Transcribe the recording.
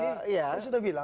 saya sudah bilang